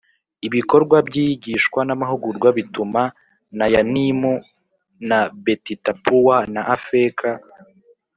Ibikorwa by iyigishwa n amahugurwa bituma na Yanimu na Betitapuwa na Afeka